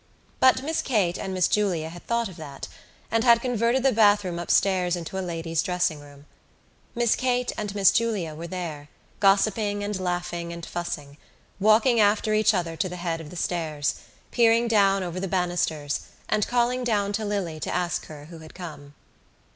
But Miss Kate and Miss Julia had thought of that and had converted the bathroom upstairs into a ladies' dressing room. Miss Kate and Miss Julia were there, gossiping and laughing and fussing, walking after each other to the head of the stairs, peering down over the banisters and calling down to Lily to ask her who had come.